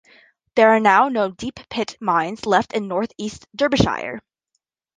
There are now no deep pit mines left in North East Derbyshire.